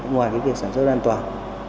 ngoài việc sản xuất an toàn